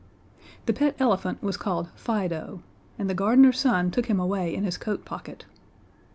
The pet elephant was called Fido, and the gardener's son took him away in his coat pocket.